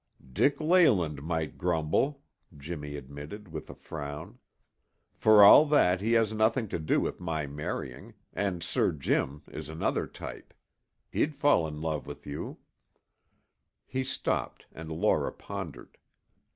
"Dick Leyland might grumble," Jimmy admitted with a frown. "For all that, he has nothing to do with my marrying, and Sir Jim is another type. He'd fall in love with you " He stopped and Laura pondered.